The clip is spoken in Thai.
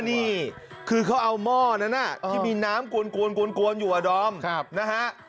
อันนี้คือเขาเอาม่อนนั้นนะที่มีน้ำกวนอยู่อดอมนะฮะ